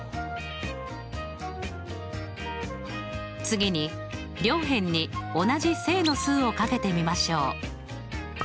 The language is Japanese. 次に両辺に同じ正の数を掛けてみましょう。